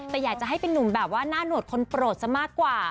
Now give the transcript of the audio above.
แต่อยากจะให้เป็นนุ่มแบบว่าหน้าหนวดคนโปรดซะมากกว่า